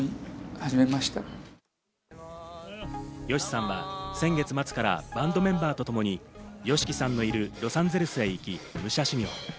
ＹＯＳＨＩさんは先月末からバンドメンバーと共にＹＯＳＨＩＫＩさんのいるロサンゼルスへ行き、武者修行。